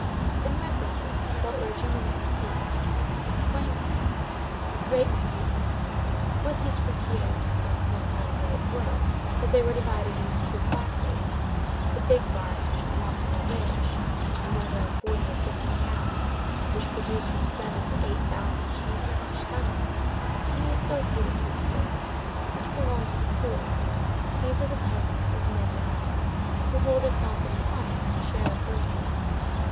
"Then my brother, while urging the man to eat, explained to him, with great minuteness, what these fruitières of Pontarlier were; that they were divided into two classes: the big barns which belong to the rich, and where there are forty or fifty cows which produce from seven to eight thousand cheeses each summer, and the associated fruitières, which belong to the poor; these are the peasants of mid mountain, who hold their cows in common, and share the proceeds.